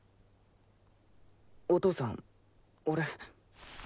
お父さん俺。